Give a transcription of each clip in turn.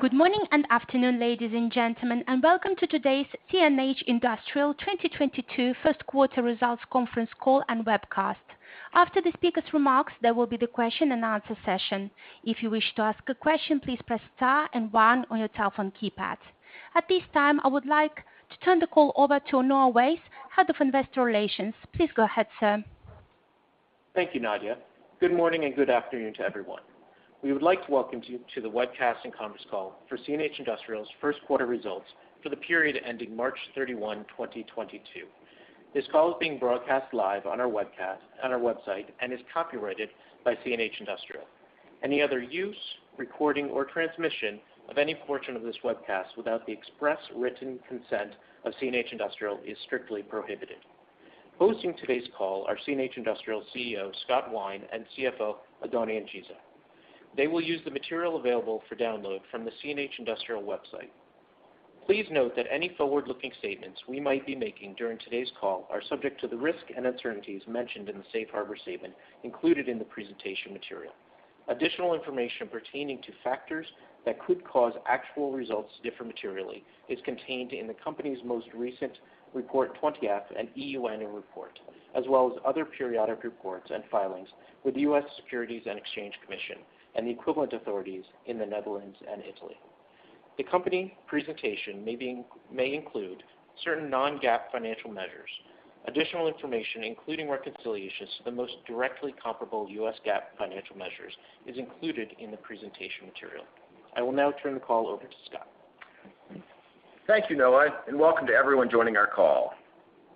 Good morning and afternoon, ladies and gentlemen, and welcome to today's CNH Industrial 2022 Q1 results conference call and webcast. After the speaker's remarks, there will be the question and answer session. If you wish to ask a question, please press star and one on your telephone keypad. At this time, I would like to turn the call over to Noah Weiss, Head of Investor Relations. Please go ahead, sir. Thank you, Nadia. Good morning and good afternoon to everyone. We would like to welcome you to the webcast and conference call for CNH Industrial's first quarter results for the period ending March 31, 2022. This call is being broadcast live on our webcast on our website and is copyrighted by CNH Industrial. Any other use, recording, or transmission of any portion of this webcast without the express written consent of CNH Industrial is strictly prohibited. Hosting today's call are CNH Industrial CEO, Scott Wine, and CFO, Oddone Incisa. They will use the material available for download from the CNH Industrial website. Please note that any forward-looking statements we might be making during today's call are subject to the risks and uncertainties mentioned in the safe harbor statement included in the presentation material. Additional information pertaining to factors that could cause actual results to differ materially is contained in the company's most recent Form 20-F and EU Annual Report, as well as other periodic reports and filings with the U.S. Securities and Exchange Commission and the equivalent authorities in the Netherlands and Italy. The company presentation may include certain non-GAAP financial measures. Additional information, including reconciliations to the most directly comparable U.S. GAAP financial measures is included in the presentation material. I will now turn the call over to Scott. Thank you, Noah, and welcome to everyone joining our call.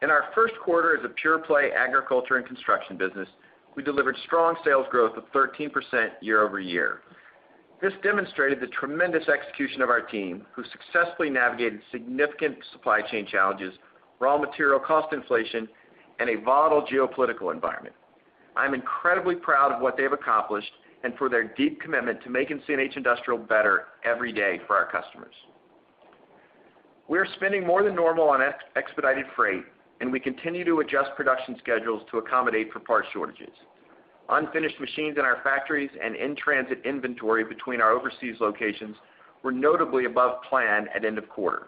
In our Q1 as a pure play agriculture and construction business, we delivered strong sales growth of 13% year-over-year. This demonstrated the tremendous execution of our team, who successfully navigated significant supply chain challenges, raw material cost inflation, and a volatile geopolitical environment. I'm incredibly proud of what they have accomplished and for their deep commitment to making CNH Industrial better every day for our customers. We are spending more than normal on expedited freight, and we continue to adjust production schedules to accommodate for part shortages. Unfinished machines in our factories and in-transit inventory between our overseas locations were notably above plan at end of quarter.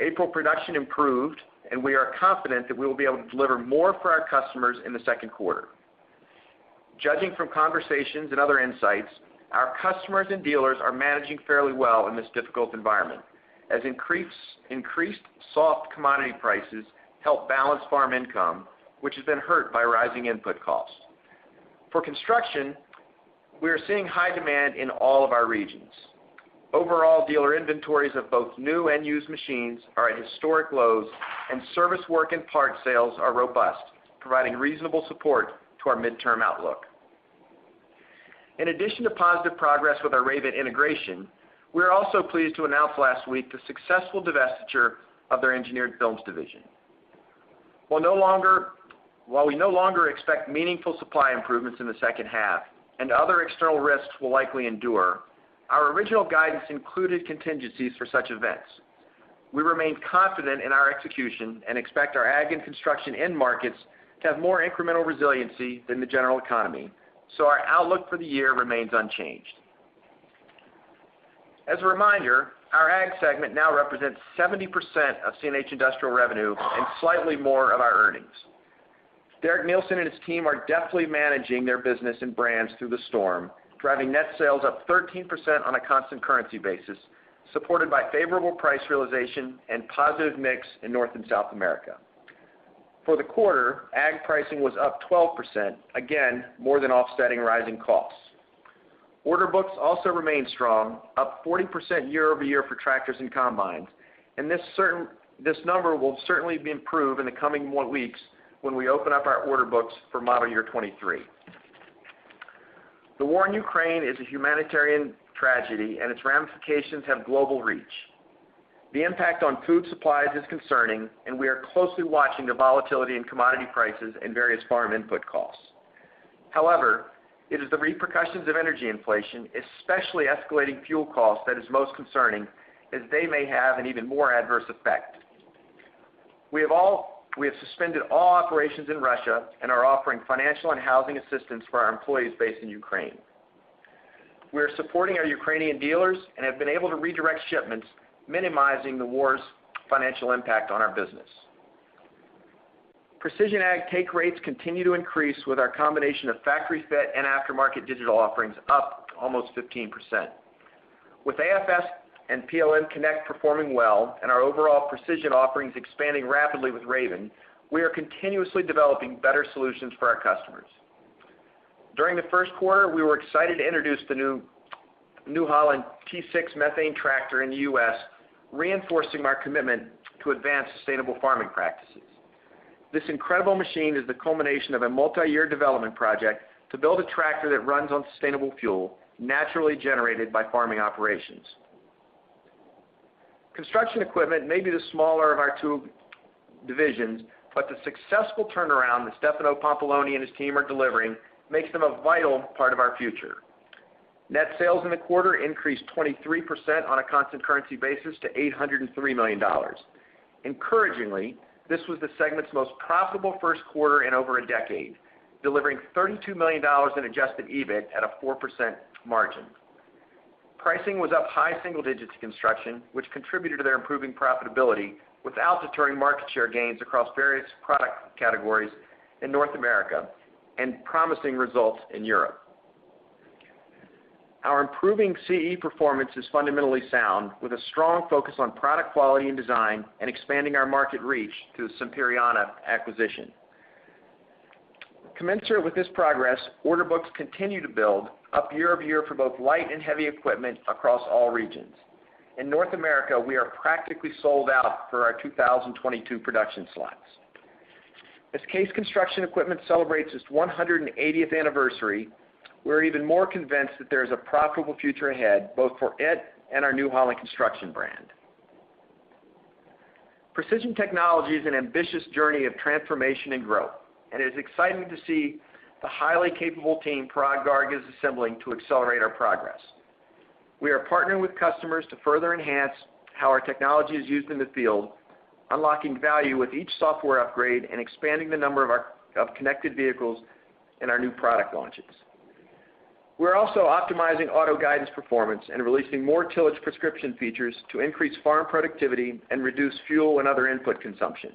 April production improved, and we are confident that we will be able to deliver more for our customers in the Q2. Judging from conversations and other insights, our customers and dealers are managing fairly well in this difficult environment, as increased soft commodity prices help balance farm income, which has been hurt by rising input costs. For construction, we are seeing high demand in all of our regions. Overall, dealer inventories of both new and used machines are at historic lows, and service work and part sales are robust, providing reasonable support to our midterm outlook. In addition to positive progress with our Raven integration, we are also pleased to announce last week the successful divestiture of their engineered films division. While we no longer expect meaningful supply improvements in the second half and other external risks will likely endure, our original guidance included contingencies for such events. We remain confident in our execution and expect our ag and construction end markets to have more incremental resiliency than the general economy, so our outlook for the year remains unchanged. As a reminder, our ag segment now represents 70% of CNH Industrial revenue and slightly more of our earnings. Derek Neilson and his team are deftly managing their business and brands through the storm, driving net sales up 13% on a constant currency basis, supported by favorable price realization and positive mix in North and South America. For the quarter, ag pricing was up 12%. Again, more than offsetting rising costs. Order books also remain strong, up 40% year-over-year for tractors and combines. This number will certainly be improved in the coming weeks when we open up our order books for model year 2023. The war in Ukraine is a humanitarian tragedy, and its ramifications have global reach. The impact on food supplies is concerning, and we are closely watching the volatility in commodity prices and various farm input costs. However, it is the repercussions of energy inflation, especially escalating fuel costs, that is most concerning, as they may have an even more adverse effect. We have suspended all operations in Russia and are offering financial and housing assistance for our employees based in Ukraine. We are supporting our Ukrainian dealers and have been able to redirect shipments, minimizing the war's financial impact on our business. Precision ag take rates continue to increase with our combination of factory fit and aftermarket digital offerings up almost 15%. With AFS and PLM Connect performing well and our overall precision offerings expanding rapidly with Raven, we are continuously developing better solutions for our customers. During the Q1, we were excited to introduce the new New Holland T6 methane tractor in the U.S., reinforcing our commitment to advance sustainable farming practices. This incredible machine is the culmination of a multi-year development project to build a tractor that runs on sustainable fuel, naturally generated by farming operations. Construction equipment may be the smaller of our two divisions, but the successful turnaround that Stefano Pampalone and his team are delivering makes them a vital part of our future. Net sales in the quarter increased 23% on a constant currency basis to $803 million. Encouragingly, this was the segment's most profitable Q1 in over a decade. Delivering $32 million in Adjusted EBIT at a 4% margin. Pricing was up high single digits construction, which contributed to their improving profitability without deterring market share gains across various product categories in North America and promising results in Europe. Our improving CE performance is fundamentally sound with a strong focus on product quality and design and expanding our market reach through the Sampierana acquisition. Commensurate with this progress, order books continue to build up year-over-year for both light and heavy equipment across all regions. In North America, we are practically sold out for our 2022 production slots. As CASE Construction Equipment celebrates its 180th anniversary, we're even more convinced that there is a profitable future ahead, both for it and our New Holland Construction brand. Precision technology is an ambitious journey of transformation and growth, and it is exciting to see the highly capable team Parag Garg is assembling to accelerate our progress. We are partnering with customers to further enhance how our technology is used in the field, unlocking value with each software upgrade and expanding the number of our of connected vehicles in our new product launches. We're also optimizing auto guidance performance and releasing more tillage prescription features to increase farm productivity and reduce fuel and other input consumption.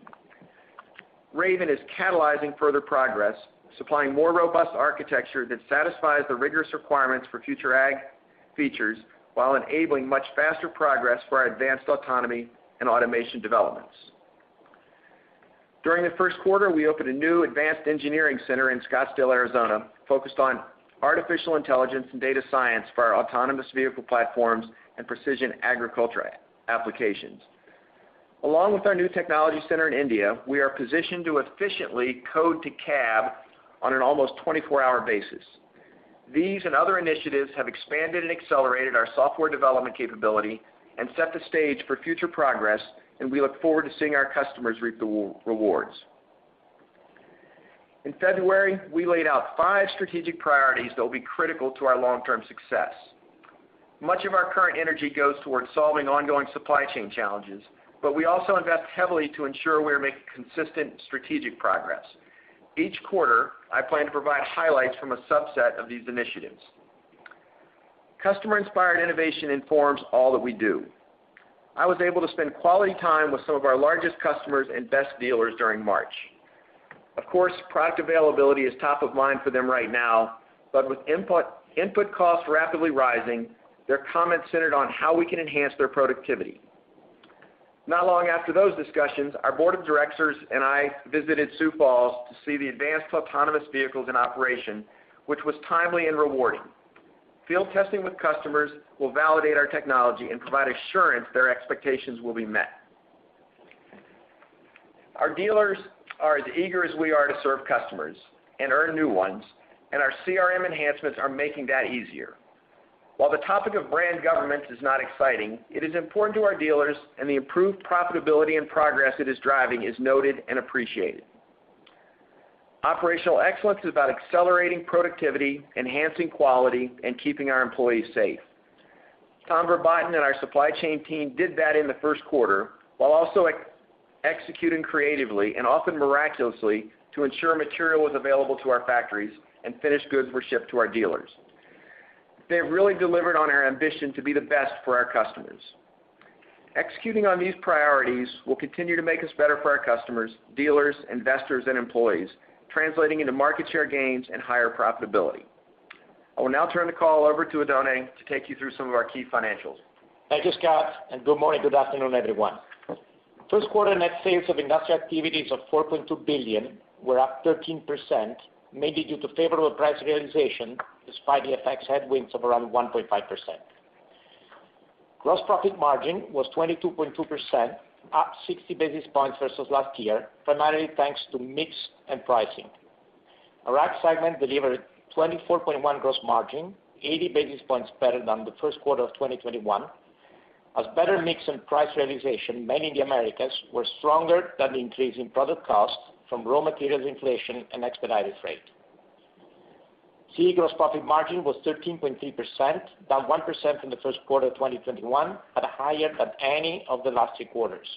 Raven is catalyzing further progress, supplying more robust architecture that satisfies the rigorous requirements for future ag features while enabling much faster progress for our advanced autonomy and automation developments. During the Q1, we opened a new advanced engineering center in Scottsdale, Arizona, focused on artificial intelligence and data science for our autonomous vehicle platforms and precision agriculture applications. Along with our new technology center in India, we are positioned to efficiently code to cab on an almost 24-hour basis. These and other initiatives have expanded and accelerated our software development capability and set the stage for future progress, and we look forward to seeing our customers reap the rewards. In February, we laid out five strategic priorities that will be critical to our long-term success. Much of our current energy goes towards solving ongoing supply chain challenges, but we also invest heavily to ensure we are making consistent strategic progress. Each quarter, I plan to provide highlights from a subset of these initiatives. Customer-inspired innovation informs all that we do. I was able to spend quality time with some of our largest customers and best dealers during March. Of course, product availability is top of mind for them right now, but with input costs rapidly rising, their comments centered on how we can enhance their productivity. Not long after those discussions, our board of directors and I visited Sioux Falls to see the advanced autonomous vehicles in operation, which was timely and rewarding. Field testing with customers will validate our technology and provide assurance their expectations will be met. Our dealers are as eager as we are to serve customers and earn new ones, and our CRM enhancements are making that easier. While the topic of brand governance is not exciting, it is important to our dealers and the improved profitability and progress it is driving is noted and appreciated. Operational excellence is about accelerating productivity, enhancing quality, and keeping our employees safe. Tom Verbaeten and our supply chain team did that in the Q1, while also executing creatively and often miraculously to ensure material was available to our factories and finished goods were shipped to our dealers. They've really delivered on our ambition to be the best for our customers. Executing on these priorities will continue to make us better for our customers, dealers, investors, and employees, translating into market share gains and higher profitability. I will now turn the call over to Oddone to take you through some of our key financials. Thank you, Scott, and good morning, good afternoon, everyone. Q1 net sales of industrial activities of $4.2 billion were up 13%, mainly due to favorable price realization, despite the FX headwinds of around 1.5%. Gross profit margin was 22.2%, up 60 basis points versus last year, primarily thanks to mix and pricing. Our ag segment delivered 24.1% gross margin, 80 basis points better than the Q1 of 2021. As better mix and price realization, mainly in the Americas, were stronger than the increase in product costs from raw materials inflation and expedited freight. CE gross profit margin was 13.3%, down 1% from the Q1 of 2021, but higher than any of the last three quarters.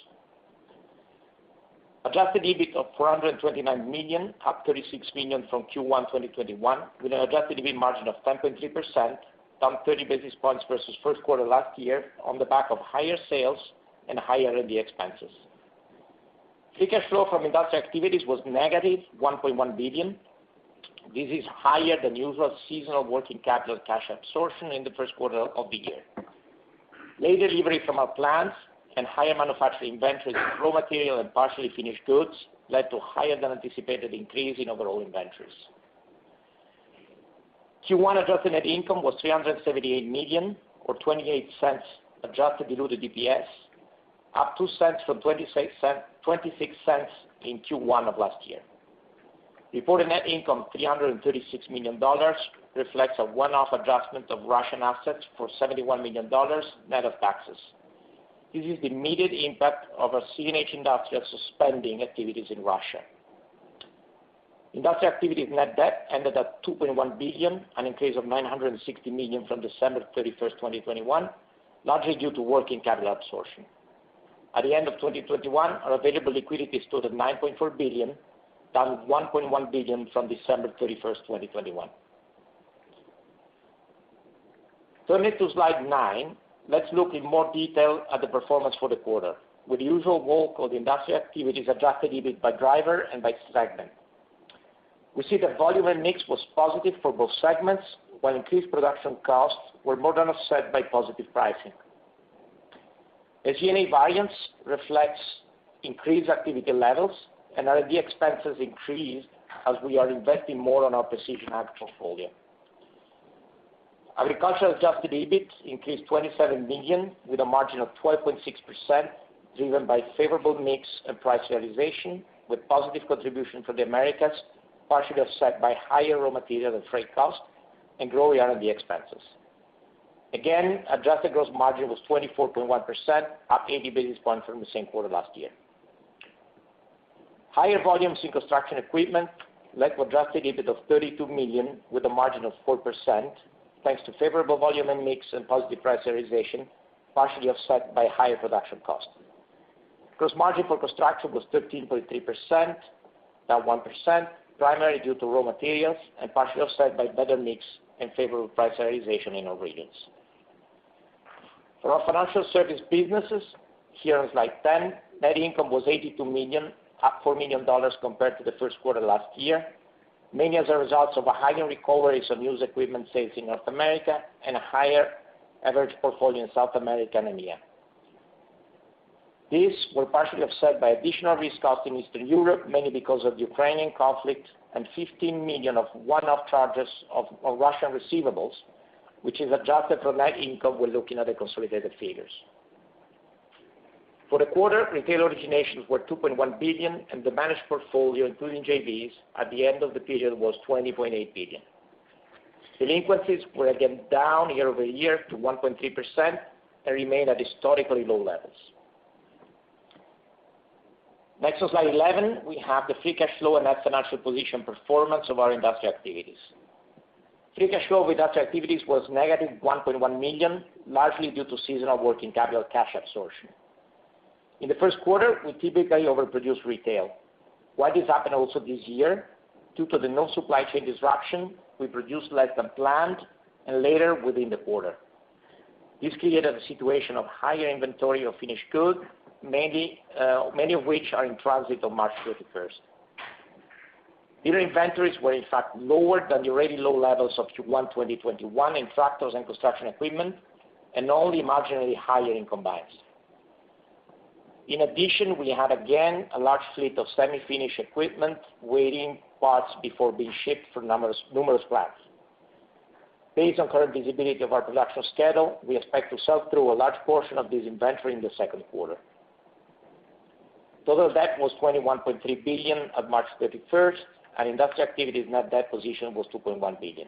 Adjusted EBIT of $429 million, up $36 million from Q1 2021, with an adjusted EBIT margin of 10.3%, down 30 basis points versus Q1 last year on the back of higher sales and higher R&D expenses. Free cash flow from industrial activities was -$1.1 billion. This is higher than usual seasonal working capital cash absorption in the Q1 of the year. Late delivery from our plants and higher manufacturing inventories of raw material and partially finished goods led to higher than anticipated increase in overall inventories. Q1 adjusted net income was $378 million or $0.28 adjusted diluted EPS, up two cents from 26 cents in Q1 of last year. Reported net income $336 million reflects a one-off adjustment of Russian assets for $71 million net of taxes. This is the immediate impact of our CNH Industrial suspending activities in Russia. Industrial activities net debt ended at 2.1 billion, an increase of 960 million from December 31st 2021, largely due to working capital absorption. At the end of 2021, our available liquidity stood at 9.4 billion, down 1.1 billion from December 31st 2021. Turning to slide nine, let's look in more detail at the performance for the quarter with the usual walk of the industrial activities Adjusted EBIT by driver and by segment. We see that volume and mix was positive for both segments, while increased production costs were more than offset by positive pricing. As G&A variance reflects increased activity levels and R&D expenses increased as we are investing more on our precision ag portfolio. Agricultural adjusted EBIT increased $27 million, with a margin of 12.6%, driven by favorable mix and price realization, with positive contribution from the Americas, partially offset by higher raw material and freight costs and growing R&D expenses. Adjusted gross margin was 24.1%, up 80 basis points from the same quarter last year. Higher volumes in construction equipment led to adjusted EBIT of $32 million, with a margin of 4%, thanks to favorable volume and mix and positive price realization, partially offset by higher production costs. Gross margin for construction was 13.3%, down 1%, primarily due to raw materials and partially offset by better mix and favorable price realization in all regions. For our financial service businesses, here on slide 10, net income was $82 million, up $4 million compared to the Q1 last year, mainly as a result of higher recoveries on used equipment sales in North America and a higher average portfolio in South America and EMEA. These were partially offset by additional risk costs in Eastern Europe, mainly because of the Ukrainian conflict and $15 million of one-off charges of Russian receivables, which is adjusted for net income when looking at the consolidated figures. For the quarter, retail originations were $2.1 billion, and the managed portfolio, including JVs at the end of the period, was $20.8 billion. Delinquencies were again down year-over-year to 1.3% and remain at historically low levels. Next, on slide 11, we have the free cash flow and net financial position performance of our industrial activities. Free cash flow with industrial activities was negative $1.1 million, largely due to seasonal working capital cash absorption. In the Q1, we typically overproduce retail. While this happened also this year, due to the known supply chain disruption, we produced less than planned and later within the quarter. This created a situation of higher inventory of finished goods, maybe many of which are in transit on March 31. Dealer inventories were, in fact, lower than the already low levels of Q1 2021 in tractors and construction equipment and only marginally higher in combines. In addition, we had again a large fleet of semi-finished equipment waiting for parts before being shipped from numerous plants. Based on current visibility of our production schedule, we expect to sell through a large portion of this inventory in the Q2. Total debt was 21.3 billion on March 31, and industrial activities net debt position was 2.1 billion.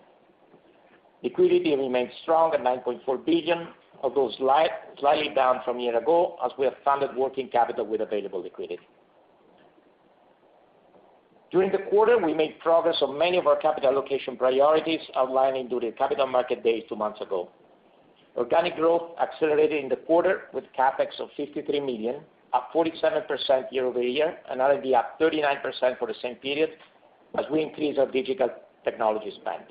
Liquidity remains strong at 9.4 billion, although slightly down from a year ago, as we have funded working capital with available liquidity. During the quarter, we made progress on many of our capital allocation priorities outlined during the Capital Markets Day two months ago. Organic growth accelerated in the quarter with CapEx of 53 million, up 47% year-over-year, and R&D up 39% for the same period as we increase our digital technology spend.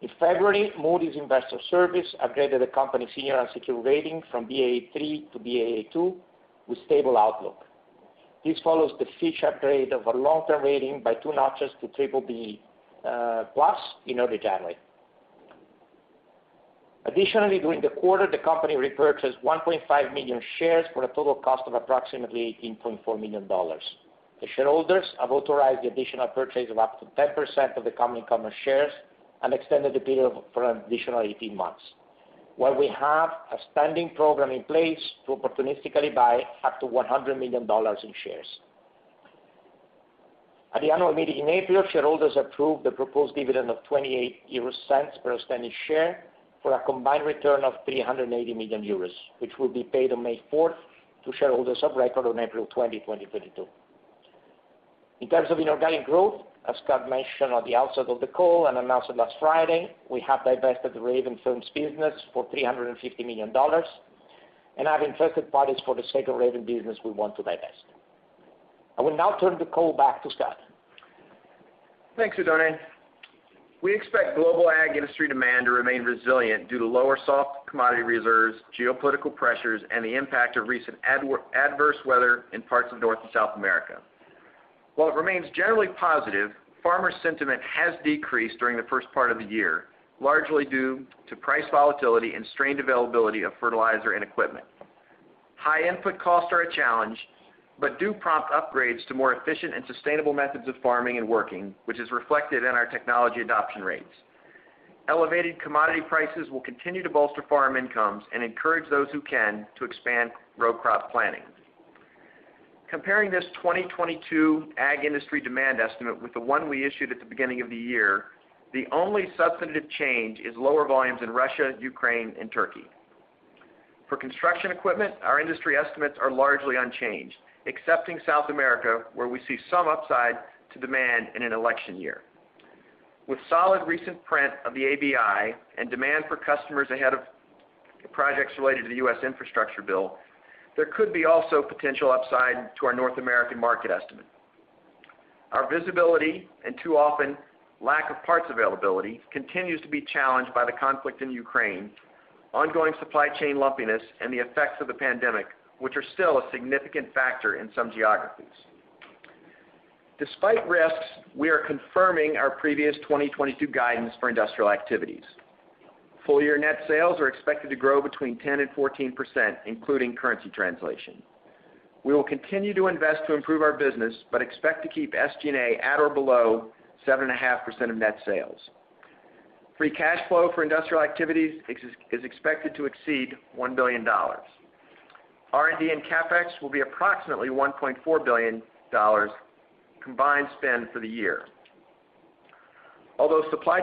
In February, Moody's Investors Service upgraded the company's senior and secured rating from Baa3 to Baa2 with stable outlook. This follows the Fitch upgrade of our long-term rating by 2 notches to BBB+ in early January. Additionally, during the quarter, the company repurchased 1.5 million shares for a total cost of approximately $18.4 million. The shareholders have authorized the additional purchase of up to 10% of the company common shares and extended the period for an additional 18 months, while we have a standing program in place to opportunistically buy up to $100 million in shares. At the annual meeting in April, shareholders approved the proposed dividend of 0.28 per outstanding share for a combined return of 380 million euros, which will be paid on May 4 to shareholders of record on April 20, 2022. In terms of inorganic growth, as Scott mentioned at the outset of the call and announced last Friday, we have divested the Raven Engineered Films business for $350 million and have interested parties for the second Raven business we want to divest. I will now turn the call back to Scott. Thanks, Simone. We expect global ag industry demand to remain resilient due to lower soft commodity reserves, geopolitical pressures, and the impact of recent adverse weather in parts of North and South America. While it remains generally positive, farmer sentiment has decreased during the first part of the year, largely due to price volatility and strained availability of fertilizer and equipment. High input costs are a challenge, but do prompt upgrades to more efficient and sustainable methods of farming and working, which is reflected in our technology adoption rates. Elevated commodity prices will continue to bolster farm incomes and encourage those who can to expand row crop planting. Comparing this 2022 ag industry demand estimate with the one we issued at the beginning of the year, the only substantive change is lower volumes in Russia, Ukraine, and Turkey. For construction equipment, our industry estimates are largely unchanged, excepting South America, where we see some upside to demand in an election year. With solid recent print of the ABI and demand for customers ahead of projects related to the U.S. infrastructure bill, there could be also potential upside to our North American market estimate. Our visibility and too often lack of parts availability continues to be challenged by the conflict in Ukraine, ongoing supply chain lumpiness and the effects of the pandemic, which are still a significant factor in some geographies. Despite risks, we are confirming our previous 2022 guidance for industrial activities. Full year net sales are expected to grow between 10% and 14%, including currency translation. We will continue to invest to improve our business, but expect to keep SG&A at or below 7.5% of net sales. Free cash flow for industrial activities is expected to exceed $1 billion. R&D and CapEx will be approximately $1.4 billion combined spend for the year. Although supply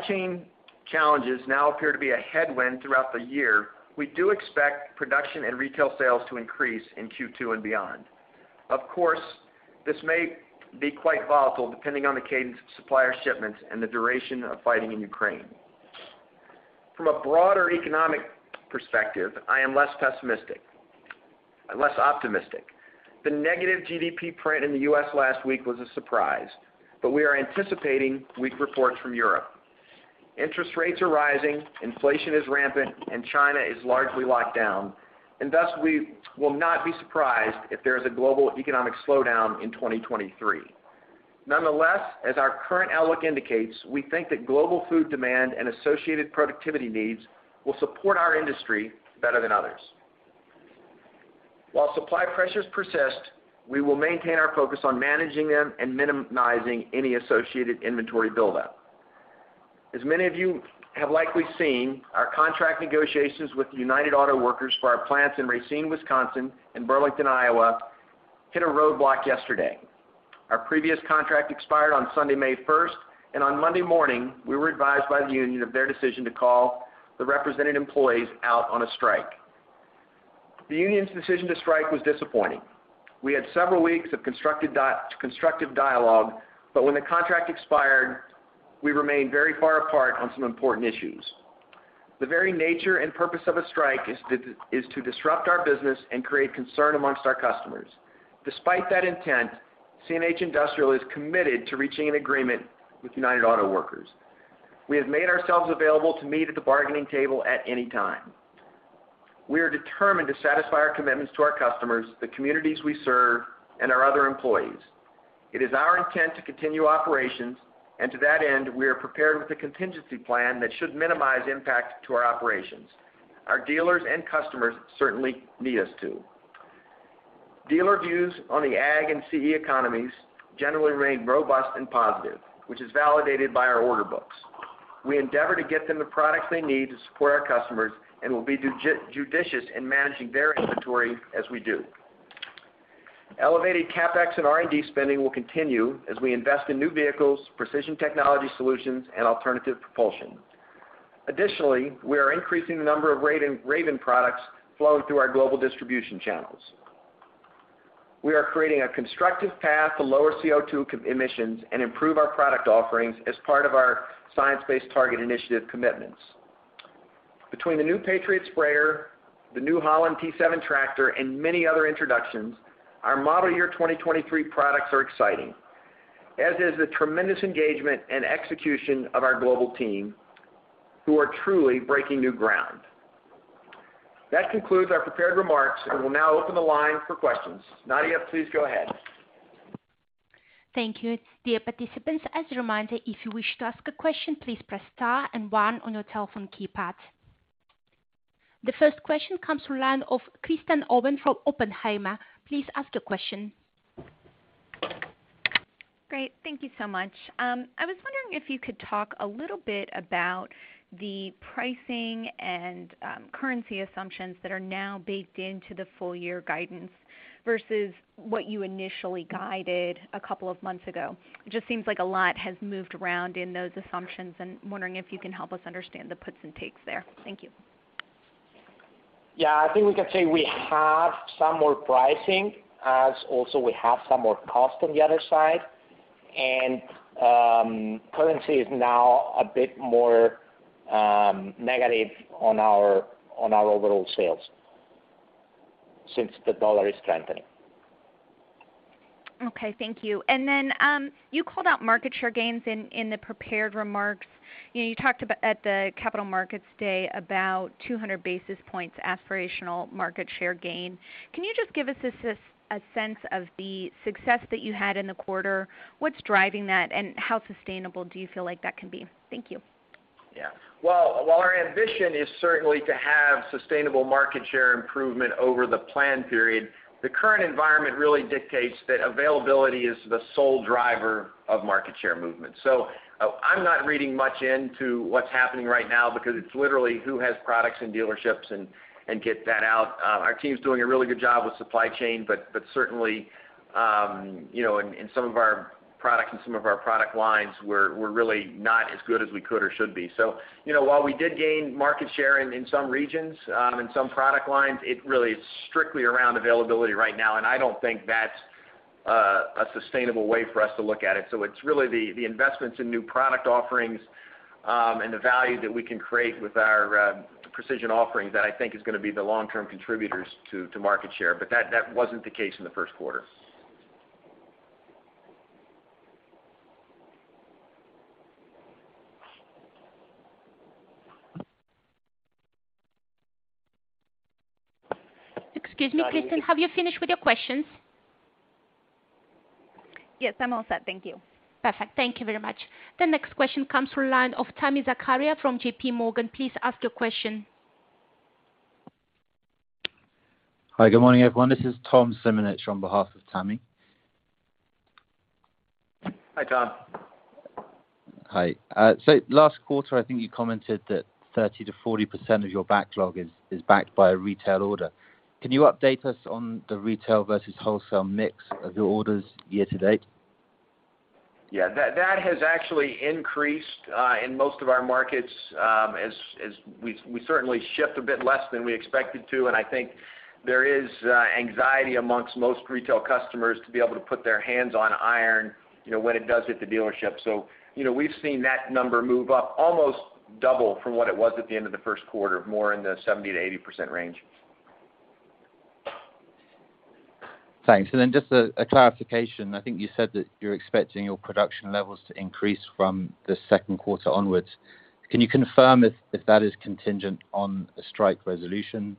chain challenges now appear to be a headwind throughout the year, we do expect production and retail sales to increase in Q2 and beyond. Of course, this may be quite volatile depending on the cadence of supplier shipments and the duration of fighting in Ukraine. From a broader economic perspective, I am less pessimistic, less optimistic. The negative GDP print in the U.S. last week was a surprise, but we are anticipating weak reports from Europe. Interest rates are rising, inflation is rampant, and China is largely locked down. We will not be surprised if there is a global economic slowdown in 2023. Nonetheless, as our current outlook indicates, we think that global food demand and associated productivity needs will support our industry better than others. While supply pressures persist, we will maintain our focus on managing them and minimizing any associated inventory buildup. As many of you have likely seen, our contract negotiations with the United Auto Workers for our plants in Racine, Wisconsin, and Burlington, Iowa, hit a roadblock yesterday. Our previous contract expired on Sunday, May first, and on Monday morning, we were advised by the union of their decision to call the represented employees out on a strike. The union's decision to strike was disappointing. We had several weeks of constructive dialogue, but when the contract expired, we remained very far apart on some important issues. The very nature and purpose of a strike is to disrupt our business and create concern amongst our customers. Despite that intent, CNH Industrial is committed to reaching an agreement with United Auto Workers. We have made ourselves available to meet at the bargaining table at any time. We are determined to satisfy our commitments to our customers, the communities we serve, and our other employees. It is our intent to continue operations, and to that end, we are prepared with a contingency plan that should minimize impact to our operations. Our dealers and customers certainly need us to. Dealer views on the AG and CE economies generally remain robust and positive, which is validated by our order books. We endeavor to get them the products they need to support our customers and will be judicious in managing their inventory as we do. Elevated CapEx and R&D spending will continue as we invest in new vehicles, precision technology solutions, and alternative propulsion. Additionally, we are increasing the number of Raven products flowing through our global distribution channels. We are creating a constructive path to lower CO2 emissions and improve our product offerings as part of our Science Based Targets initiative commitments. Between the new Patriot sprayer, the New Holland T7 tractor, and many other introductions, our model year 2023 products are exciting, as is the tremendous engagement and execution of our global team, who are truly breaking new ground. That concludes our prepared remarks, and we'll now open the line for questions. Nadia, please go ahead. Thank you. Dear participants, as a reminder, if you wish to ask a question, please press star and one on your telephone keypad. The first question comes from the line of Kristen Owen from Oppenheimer & Co. Please ask your question. Great. Thank you so much. I was wondering if you could talk a little bit about the pricing and currency assumptions that are now baked into the full year guidance versus what you initially guided a couple of months ago. It just seems like a lot has moved around in those assumptions and wondering if you can help us understand the puts and takes there. Thank you. Yeah. I think we can say we have some more pricing as also we have some more cost on the other side. Currency is now a bit more negative on our overall sales since the dollar is strengthening. Okay. Thank you. You called out market share gains in the prepared remarks. You talked, at the Capital Markets Day, about 200 basis points aspirational market share gain. Can you just give us a sense of the success that you had in the quarter? What's driving that, and how sustainable do you feel like that can be? Thank you. Well, while our ambition is certainly to have sustainable market share improvement over the plan period, the current environment really dictates that availability is the sole driver of market share movement. So I'm not reading much into what's happening right now because it's literally who has products in dealerships and get that out. Our team's doing a really good job with supply chain, but certainly, you know, in some of our products and some of our product lines, we're really not as good as we could or should be. So, you know, while we did gain market share in some regions, in some product lines, it really is strictly around availability right now. I don't think that's a sustainable way for us to look at it. It's really the investments in new product offerings, and the value that we can create with our precision offerings that I think is gonna be the long-term contributors to market share. That wasn't the case in the Q1. Excuse me, Kristen, have you finished with your questions? Yes, I'm all set. Thank you. Perfect. Thank you very much. The next question comes from the line of Tami Zakaria from J.P. Morgan. Please ask your question. Hi, good morning, everyone. This is Thomas Simonitsch on behalf of Tammy. Hi, Tom. Hi. Last quarter, I think you commented that 30%-40% of your backlog is backed by a retail order. Can you update us on the retail versus wholesale mix of your orders year-to-date? Yeah. That has actually increased in most of our markets, as we certainly shipped a bit less than we expected to, and I think there is anxiety amongst most retail customers to be able to put their hands on iron, you know, when it does hit the dealership. You know, we've seen that number move up almost double from what it was at the end of the Q1, more in the 70%-80% range. Thanks. Just a clarification. I think you said that you're expecting your production levels to increase from the Q2 onwards. Can you confirm if that is contingent on a strike resolution?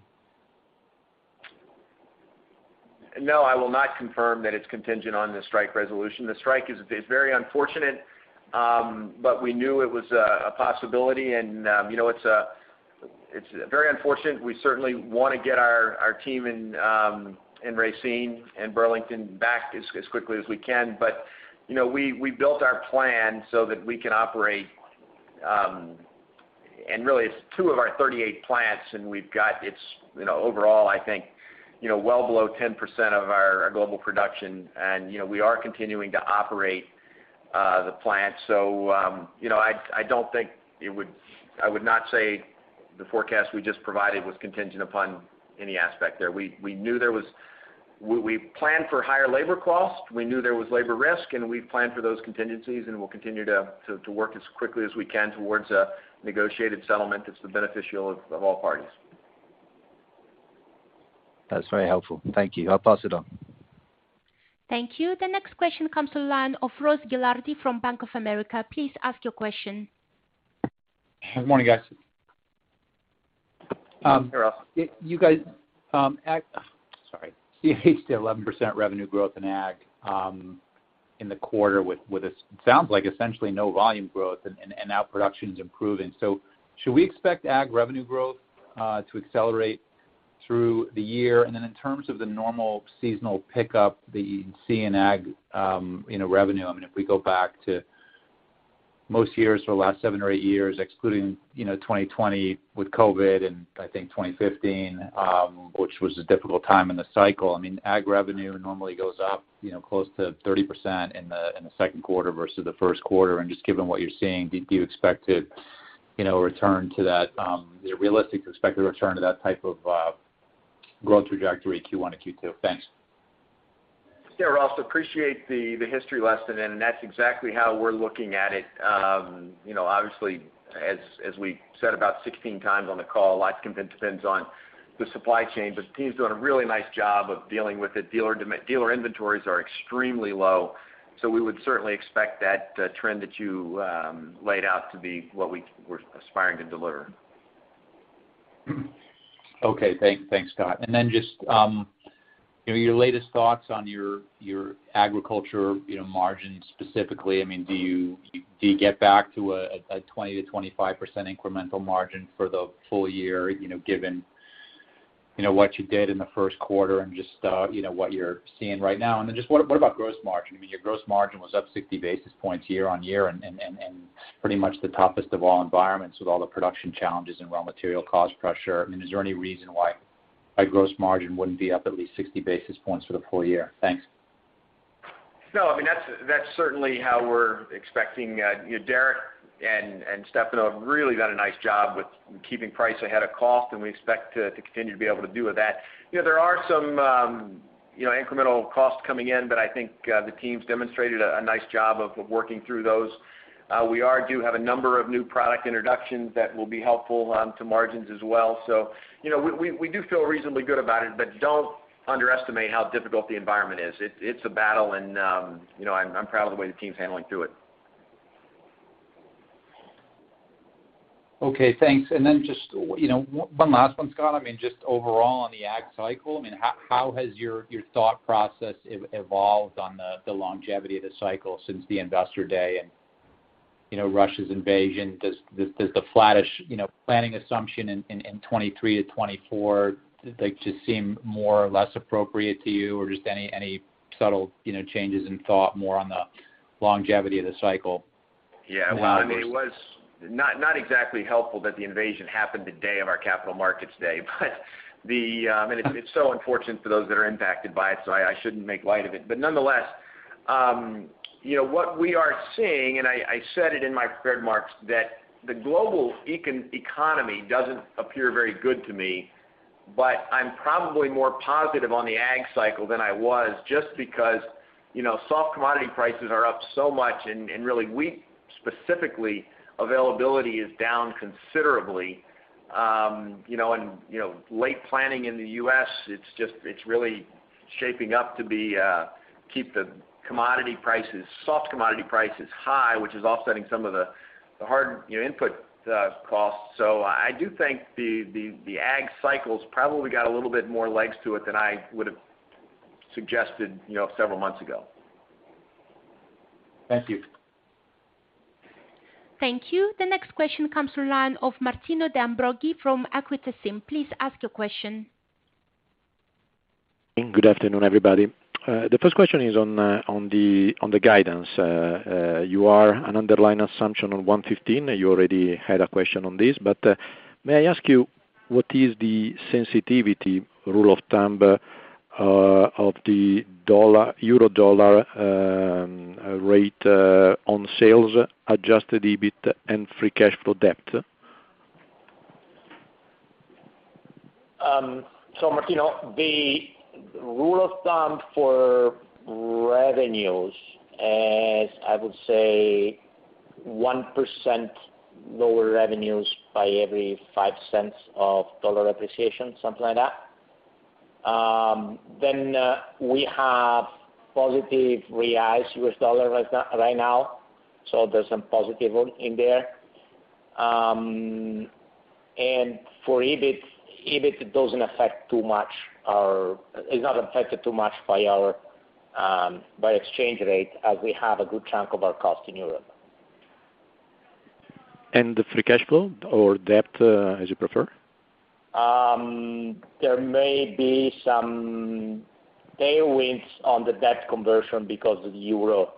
No, I will not confirm that it's contingent on the strike resolution. The strike is very unfortunate, but we knew it was a possibility and, you know, it's very unfortunate. We certainly wanna get our team in Racine and Burlington back as quickly as we can. You know, we built our plan so that we can operate, and really it's two of our 38 plants, and it's, you know, overall, I think, you know, well below 10% of our global production and, you know, we are continuing to operate the plants. You know, I don't think it would. I would not say the forecast we just provided was contingent upon any aspect there. We planned for higher labor costs. We knew there was labor risk, and we've planned for those contingencies, and we'll continue to work as quickly as we can towards a negotiated settlement that's to the benefit of all parties. That's very helpful. Thank you. I'll pass it on. Thank you. The next question comes to the line of Ross Gillardi from Bank of America. Please ask your question. Good morning, guys. Hi, Ross. You guys, sorry. You reached 11% revenue growth in ag in the quarter with essentially no volume growth and now production's improving. Should we expect ag revenue growth to accelerate through the year? In terms of the normal seasonal pickup that you see in ag revenue, you know, I mean, if we go back to most years for the last seven or eight years, excluding, you know, 2020 with COVID and I think 2015, which was a difficult time in the cycle, I mean, ag revenue normally goes up, you know, close to 30% in the Q2 versus the Q1. Just given what you're seeing, do you expect it, you know, return to that, you know, realistic expected return to that type of growth trajectory Q1 to Q2? Thanks. Yeah, Ross, appreciate the history lesson, and that's exactly how we're looking at it. You know, obviously, as we said about 16 times on the call, a lot of it depends on the supply chain, but the team's doing a really nice job of dealing with it. Dealer inventories are extremely low, so we would certainly expect that trend that you laid out to be what we're aspiring to deliver. Okay. Thanks, Scott. Just, you know, your latest thoughts on your agriculture, you know, margins specifically. I mean, do you get back to a 20%-25% incremental margin for the full year, you know, given, you know, what you did in the Q1 and just, you know, what you're seeing right now? What about gross margin? I mean, your gross margin was up 60 basis points year-over-year and pretty much the toughest of all environments with all the production challenges and raw material cost pressure. I mean, is there any reason why our gross margin wouldn't be up at least 60 basis points for the full year? Thanks. No, I mean, that's certainly how we're expecting. You know, Derek and Stefano have really done a nice job with keeping price ahead of cost, and we expect to continue to be able to do with that. You know, there are some incremental costs coming in, but I think the team's demonstrated a nice job of working through those. We do have a number of new product introductions that will be helpful to margins as well. You know, we do feel reasonably good about it, but don't underestimate how difficult the environment is. It's a battle and, you know, I'm proud of the way the team's handling through it. Okay, thanks. Just, you know, one last one, Scott. I mean, just overall on the ag cycle, I mean, how has your thought process evolved on the longevity of the cycle since the Investor Day and, you know, Russia's invasion? Does the flattish, you know, planning assumption in 2023 to 2024 just seem more or less appropriate to you? Just any subtle, you know, changes in thought more on the longevity of the cycle? Yeah. Well, I mean, it was not exactly helpful that the invasion happened the day of our Capital Markets Day. I mean, it's so unfortunate for those that are impacted by it, so I shouldn't make light of it. Nonetheless, you know, what we are seeing, and I said it in my prepared remarks, that the global economy doesn't appear very good to me, but I'm probably more positive on the ag cycle than I was just because, you know, soft commodity prices are up so much, and really wheat specifically availability is down considerably. You know, late planting in the U.S., it's just, it's really shaping up to be to keep the commodity prices, soft commodity prices high, which is offsetting some of the hard, you know, input costs. I do think the ag cycle's probably got a little bit more legs to it than I would've suggested, you know, several months ago. Thank you. Thank you. The next question comes from the line of Martino De Ambroggi from Equita SIM. Please ask your question. Good afternoon, everybody. The first question is on the guidance. Your underlying assumption on 1.15, you already had a question on this. May I ask you what is the sensitivity rule of thumb of the dollar-euro rate on sales adjusted EBIT and free cash flow and debt? Martino De Ambrogi, the rule of thumb for revenues is, I would say 1% lower revenues by every $0.05 of dollar appreciation, something like that. We have positive reais US dollar right now, so there's some positive in there. EBIT is not affected too much by our exchange rate as we have a good chunk of our cost in Europe. The free cash flow or debt, as you prefer? There may be some tailwinds on the debt conversion because of the euro,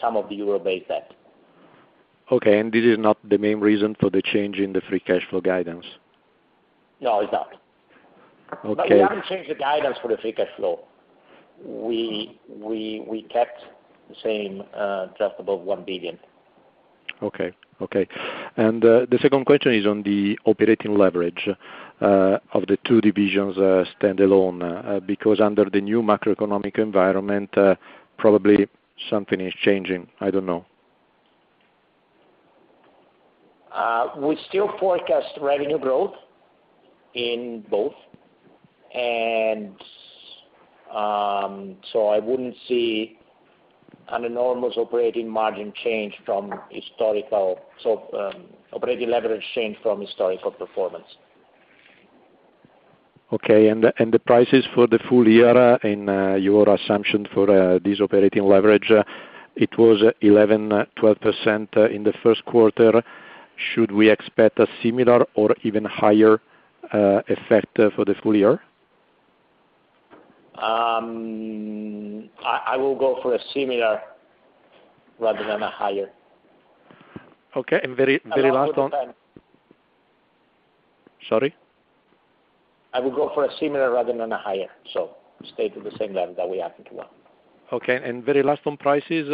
some of the euro-based debt. Okay. This is not the main reason for the change in the free cash flow guidance? No, it's not. Okay. We haven't changed the guidance for the free cash flow. We kept the same, just above $1 billion. Okay. The second question is on the operating leverage of the two divisions standalone because under the new macroeconomic environment probably something is changing. I don't know. We still forecast revenue growth in both, and so I wouldn't see an enormous operating leverage change from historical performance. Okay. The prices for the full year in your assumption for this operating leverage, it was 11-12% in the first quarter. Should we expect a similar or even higher effect for the full year? I will go for a similar rather than a higher. Okay. Very, very last one. I will go for the same. Sorry. I will go for a similar rather than a higher. Stay to the same level that we have until now. Okay. Very last on prices,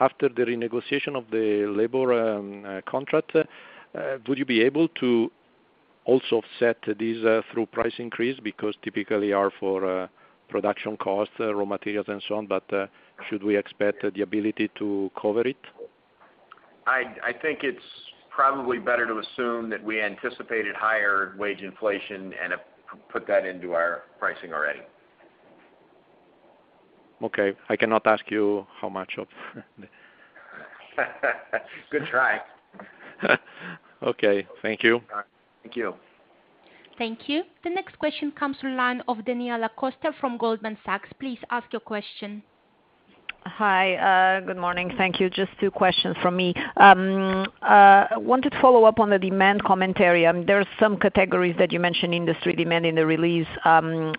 after the renegotiation of the labor contract, would you be able to also set this through price increase because typically are for production costs, raw materials and so on, but should we expect the ability to cover it? I think it's probably better to assume that we anticipated higher wage inflation and have put that into our pricing already. Okay. I cannot ask you how much of the Good try. Okay. Thank you. Thank you. Thank you. The next question comes from line of Daniela Costa from Goldman Sachs. Please ask your question. Hi. Good morning. Thank you. Just two questions from me. I wanted to follow up on the demand commentary. There are some categories that you mentioned industry demand in the release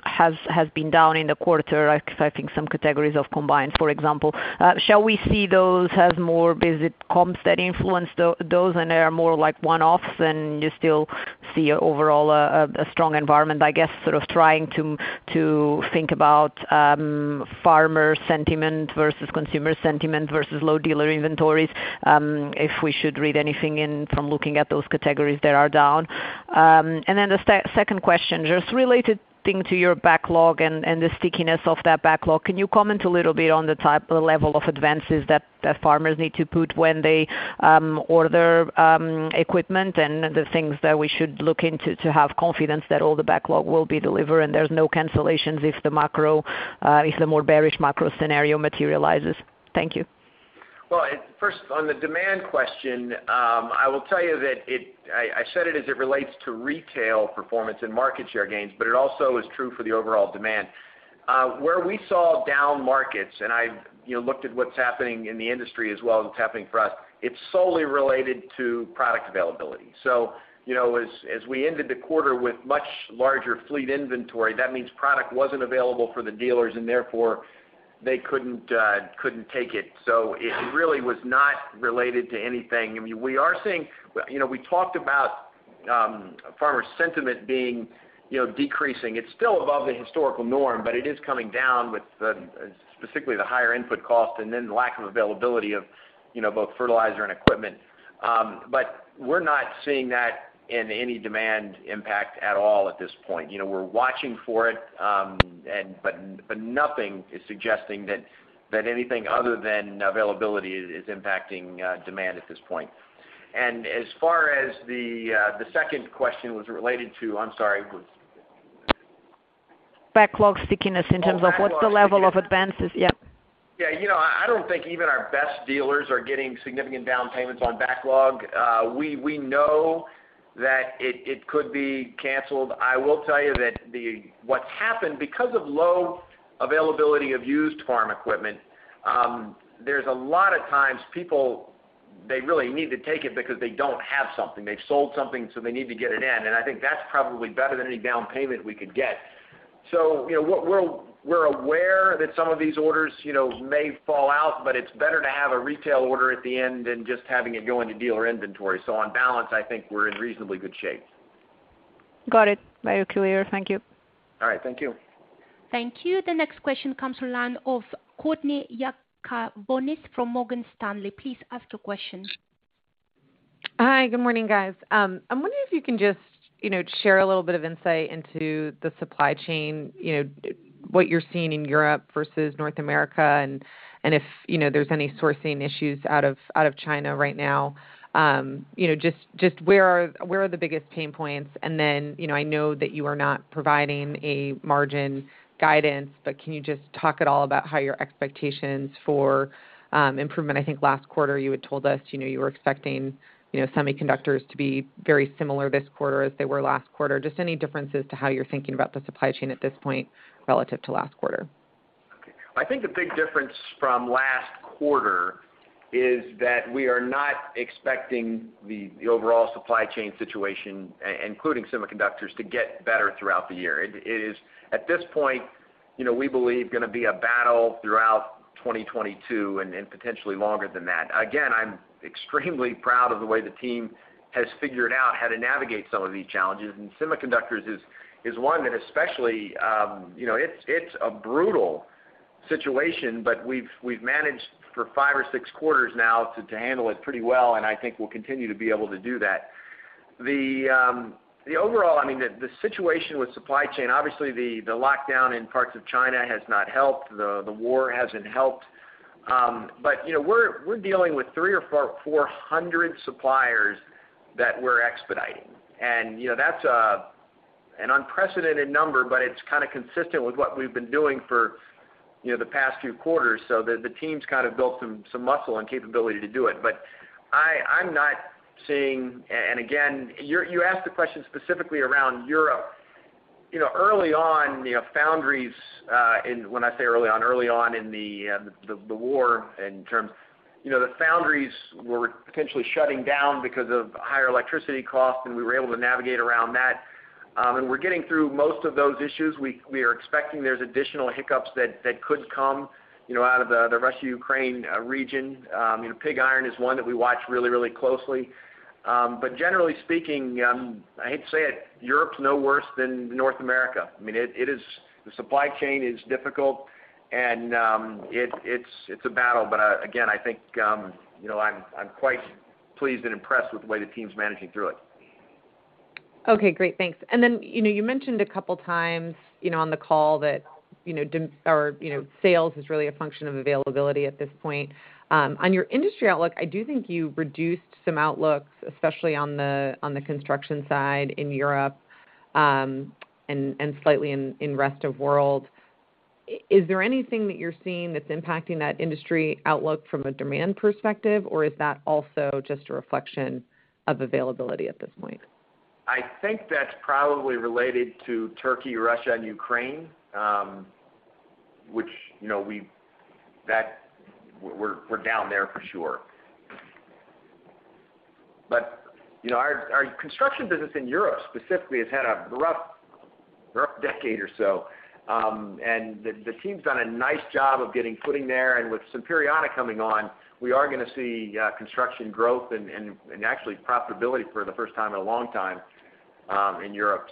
has been down in the quarter. I think some categories of combined, for example. Shall we see those as more basic comps that influence those and they are more like one-offs and you still see overall a strong environment? I guess sort of trying to think about farmer sentiment versus consumer sentiment versus low dealer inventories, if we should read anything in from looking at those categories that are down. The second question, just related thing to your backlog and the stickiness of that backlog. Can you comment a little bit on the type or level of advances that farmers need to put when they order equipment and the things that we should look into to have confidence that all the backlog will be delivered and there's no cancellations if the more bearish macro scenario materializes? Thank you. Well, first, on the demand question, I will tell you that I said it as it relates to retail performance and market share gains, but it also is true for the overall demand. Where we saw down markets, and I you know, looked at what's happening in the industry as well as what's happening for us, it's solely related to product availability. You know, as we ended the quarter with much larger fleet inventory, that means product wasn't available for the dealers and therefore they couldn't take it. It really was not related to anything. I mean, we are seeing you know, we talked about farmer sentiment being, you know, decreasing. It's still above the historical norm, but it is coming down with specifically the higher input cost and then lack of availability of, you know, both fertilizer and equipment. We're not seeing that in any demand impact at all at this point. You know, we're watching for it, but nothing is suggesting that anything other than availability is impacting demand at this point. As far as the second question was related to, I'm sorry, was- Backlog stickiness in terms of. Oh, backlog stickiness. What's the level of advances? Yep. Yeah. You know, I don't think even our best dealers are getting significant down payments on backlog. We know that it could be canceled. I will tell you what's happened, because of low availability of used farm equipment, there's a lot of times people, they really need to take it because they don't have something. They've sold something, so they need to get it in. I think that's probably better than any down payment we could get. You know, what we're aware that some of these orders, you know, may fall out, but it's better to have a retail order at the end than just having it go into dealer inventory. On balance, I think we're in reasonably good shape. Got it. Very clear. Thank you. All right. Thank you. Thank you. The next question comes from the line of Courtney Yakavonis from Morgan Stanley. Please ask your question. Hi, good morning, guys. I'm wondering if you can just, you know, share a little bit of insight into the supply chain, you know, what you're seeing in Europe versus North America, and if, you know, there's any sourcing issues out of out of China right now. You know, just where are the biggest pain points? Then, you know, I know that you are not providing a margin guidance, but can you just talk at all about how your expectations for improvement? I think last quarter you had told us, you know, you were expecting, you know, semiconductors to be very similar this quarter as they were last quarter. Just any differences to how you're thinking about the supply chain at this point relative to last quarter. I think the big difference from last quarter is that we are not expecting the overall supply chain situation, including semiconductors, to get better throughout the year. It is, at this point, you know, we believe gonna be a battle throughout 2022 and potentially longer than that. Again, I'm extremely proud of the way the team has figured out how to navigate some of these challenges. Semiconductors is one that especially, you know, it's a brutal situation, but we've managed for five or six quarters now to handle it pretty well, and I think we'll continue to be able to do that. The overall, I mean, the situation with supply chain, obviously the lockdown in parts of China has not helped, the war hasn't helped. You know, we're dealing with 300-400 suppliers that we're expediting. You know, that's an unprecedented number, but it's kind of consistent with what we've been doing for, you know, the past few quarters. The team's kind of built some muscle and capability to do it. I'm not seeing. Again, you asked the question specifically around Europe. You know, early on, you know, foundries when I say early on, early on in the war in terms. You know, the foundries were potentially shutting down because of higher electricity costs, and we were able to navigate around that. We're getting through most of those issues. We are expecting there's additional hiccups that could come, you know, out of the Russia-Ukraine region. You know, pig iron is one that we watch really closely. Generally speaking, I hate to say it, Europe's no worse than North America. I mean, the supply chain is difficult and it's a battle. Again, I think, you know, I'm quite pleased and impressed with the way the team's managing through it. Okay, great. Thanks. You know, you mentioned a couple times, you know, on the call that, you know, sales is really a function of availability at this point. On your industry outlook, I do think you reduced some outlooks, especially on the construction side in Europe, and slightly in rest of world. Is there anything that you're seeing that's impacting that industry outlook from a demand perspective, or is that also just a reflection of availability at this point? I think that's probably related to Turkey, Russia, and Ukraine, which, you know, we're down there for sure. Our construction business in Europe specifically has had a rough decade or so. The team's done a nice job of getting footing there. With Sampierana coming on, we are gonna see construction growth and actually profitability for the first time in a long time in Europe.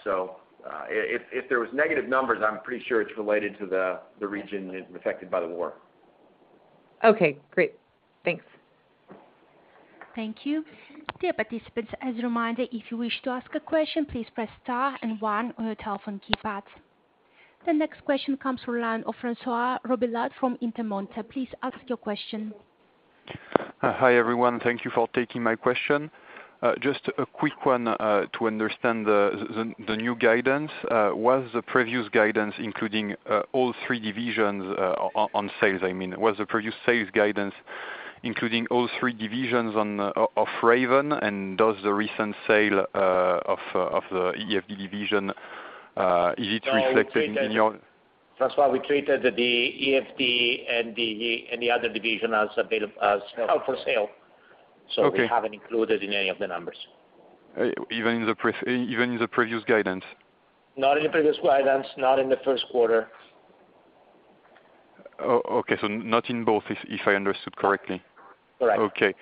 If there was negative numbers, I'm pretty sure it's related to the region affected by the war. Okay, great. Thanks. Thank you. Dear participants, as a reminder, if you wish to ask a question, please press star and one on your telephone keypad. The next question comes from the line of Francois Robillard from Intermonte. Please ask your question. Hi, everyone. Thank you for taking my question. Just a quick one to understand the new guidance. Was the previous guidance including all three divisions on sales, I mean? Was the previous sales guidance including all three divisions of Raven? Does the recent sale of the EFD division is it reflected in your- No, François Robillard, we treated the EFD and the other division as held for sale. We haven't included in any of the numbers. Even in the previous guidance? Not in the previous guidance, not in the Q1. Oh, okay. Not in both, if I understood correctly. Correct. Okay.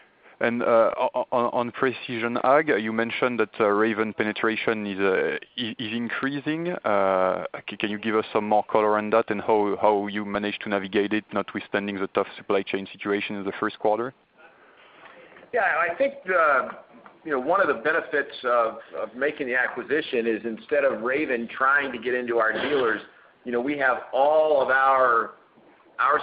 On precision ag, you mentioned that Raven penetration is increasing. Can you give us some more color on that and how you manage to navigate it, notwithstanding the tough supply chain situation in the Q1? Yeah, I think you know, one of the benefits of making the acquisition is instead of Raven trying to get into our dealers, you know, we have all of our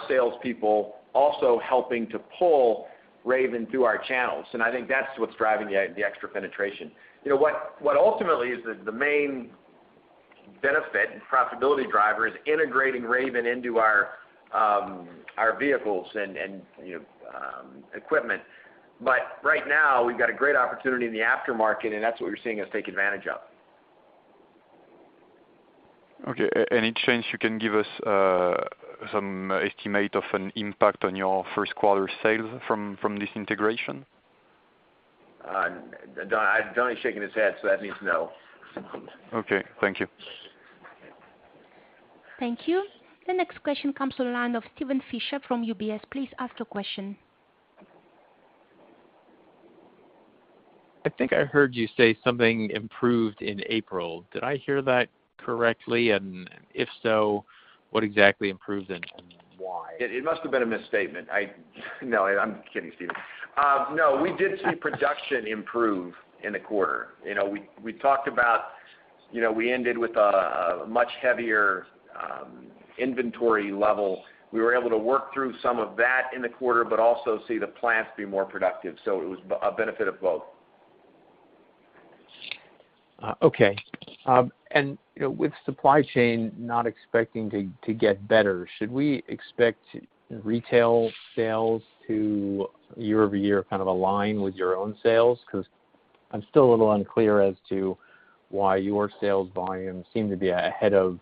sales people also helping to pull Raven through our channels. I think that's what's driving the extra penetration. You know what ultimately is the main benefit and profitability driver is integrating Raven into our vehicles and, you know, equipment. Right now, we've got a great opportunity in the aftermarket, and that's what we're seeing us take advantage of. Okay. Any chance you can give us some estimate of an impact on your first quarter sales from this integration? Don is shaking his head, so that means no. Okay. Thank you. Thank you. The next question comes on the line of Steven Fisher from UBS. Please ask your question. I think I heard you say something improved in April. Did I hear that correctly? If so, what exactly improved and why? It must have been a misstatement. I know, I'm kidding, Stephen. No, we did see production improve in the quarter. You know, we talked about, you know, we ended with a much heavier inventory level. We were able to work through some of that in the quarter, but also see the plants be more productive. It was a benefit of both. Okay. You know, with supply chain not expecting to get better, should we expect retail sales to year-over-year kind of align with your own sales? Because I'm still a little unclear as to why your sales volume seem to be ahead of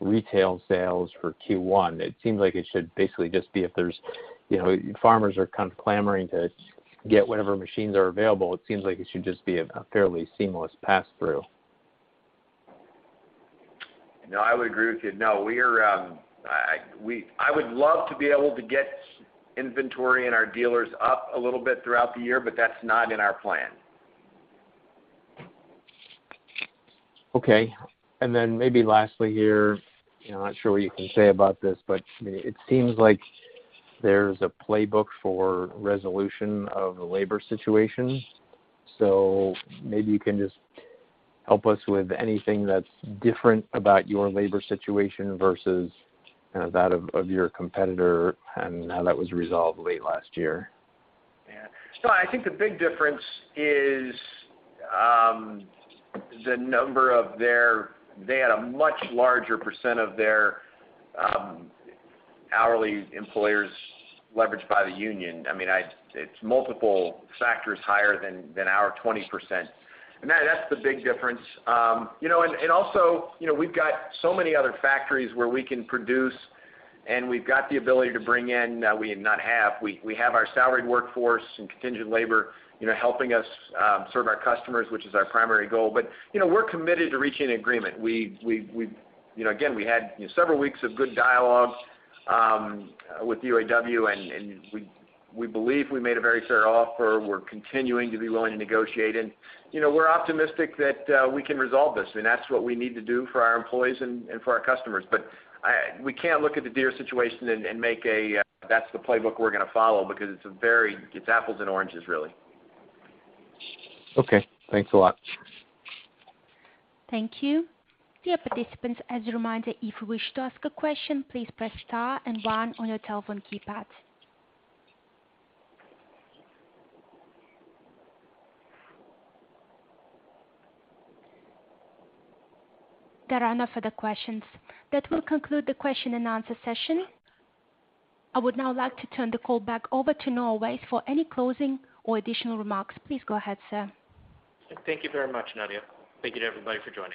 retail sales for Q1. It seems like it should basically just be if there's, you know, farmers are kind of clamoring to get whatever machines are available, it seems like it should just be a fairly seamless pass through. No, I would agree with you. I would love to be able to get inventory in our dealers up a little bit throughout the year, but that's not in our plan. Okay. Then maybe lastly here, you know, not sure what you can say about this, but it seems like there's a playbook for resolution of the labor situation. Maybe you can just help us with anything that's different about your labor situation versus, kind of that of your competitor and how that was resolved late last year? Yeah. I think the big difference is the number of their. They had a much larger percent of their hourly employees leveraged by the union. I mean, it's multiple factors higher than our 20%. That's the big difference. You know, also, you know, we've got so many other factories where we can produce and we've got the ability to bring in. We have our salaried workforce and contingent labor, you know, helping us serve our customers, which is our primary goal. You know, we're committed to reaching an agreement. We you know, again, we had several weeks of good dialogue with UAW and we believe we made a very fair offer. We're continuing to be willing to negotiate. You know, we're optimistic that we can resolve this, and that's what we need to do for our employees and for our customers. We can't look at the Deere situation and make a, "That's the playbook we're gonna follow," because it's apples and oranges, really. Okay, thanks a lot. Thank you. Dear participants, as a reminder, if you wish to ask a question, please press star and one on your telephone keypad. There are no further questions. That will conclude the question and answer session. I would now like to turn the call back over to Noah Weiss for any closing or additional remarks. Please go ahead, sir. Thank you very much, Nadia. Thank you to everybody for joining.